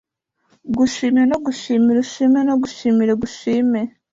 Gushime no gushimire ushime no gushimire Gushime